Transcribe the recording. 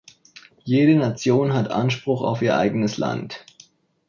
Jede Nation hat Anspruch auf ihr eigenes Land.